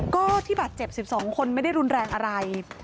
ก็ที่บาดเจ็บ๑๒คนไม่ได้รุนแรงอะไร